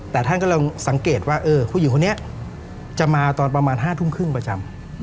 แต่ท่านก็ลองสังเกตว่าผู้หญิงคนนี้จะมาตอนประมาณ๕ทุ่มครึ่งประจำ